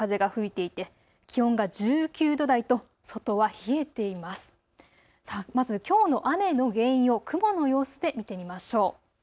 さてまずきょうの雨の原因を雲の様子で見てみましょう。